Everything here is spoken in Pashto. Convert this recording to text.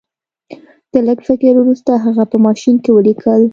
د لږ فکر وروسته هغه په ماشین کې ولیکل